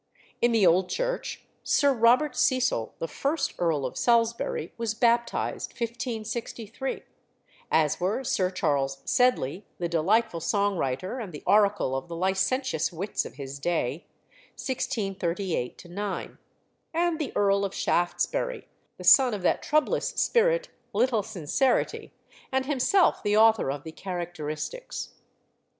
In the old church Sir Robert Cecil, the first Earl of Salisbury, was baptized, 1563; as were Sir Charles Sedley, the delightful song writer and the oracle of the licentious wits of his day, 1638 9; and the Earl of Shaftesbury, the son of that troublous spirit "Little Sincerity," and himself the author of the Characteristics.